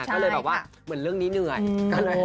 ก็เลยเหมือนเรื่องนี้เหนื่อย